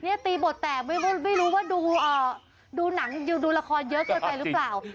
ตีบทแตกไม่รู้ว่าดูหนังดูละครเยอะเกินไปหรือเปล่า